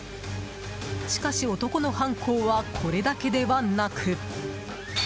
しかし、男の犯行はこれだけではなく。